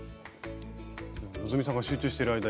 希さんが集中している間に。